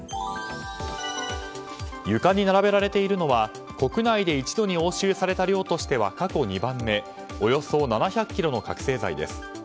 床に並べられているのは国内で一度に押収された量としては過去２番目、およそ７００ｋｇの覚醒剤です。